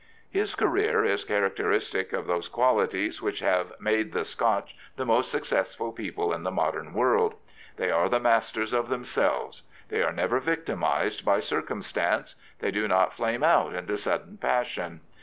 His career is characteristic of those qualities which 12 $ Prophets, Priests, and Kings have made the Scotch the most successful people in the modem world. They are the masters of them selves. They are never victimised by circumstance. They do not flame out into sudden passion.